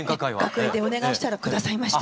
楽屋でお願いしたら下さいました。